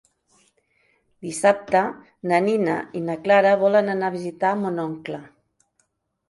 Dissabte na Nina i na Clara volen anar a visitar mon oncle.